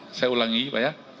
ya jadi saya ulangi pak ya